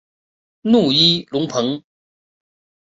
努伊隆蓬。